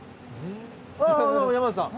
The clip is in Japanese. あどうも山内さん。